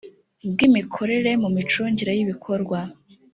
bw imikorere mu micungire y ibikorwa